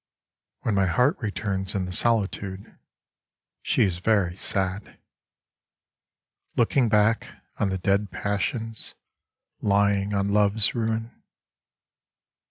When my heart returns in the solitude, She is very sad, Looking back on the dead passions Lying on Love's ruin.